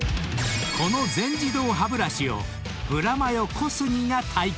［この全自動歯ブラシをブラマヨ小杉が体験］